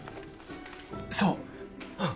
そう！